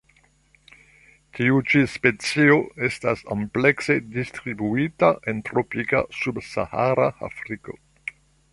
Tiu ĉi specio estas amplekse distribuita en tropika subsahara Afriko.